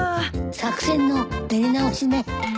作戦の練り直しね。